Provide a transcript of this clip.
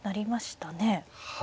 はい。